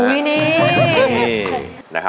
อุ้ยนี่